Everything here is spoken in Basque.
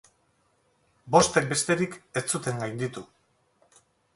Bostek besterik ez zuten gainditu.